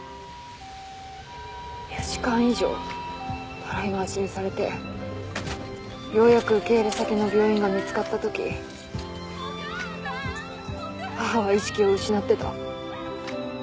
４時間以上たらい回しにされてようやく受け入れ先の病院が見つかったとき母は意識を失ってた。